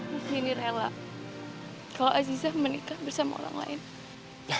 mungkin ini rela kalau aziza menikah bersama orang lain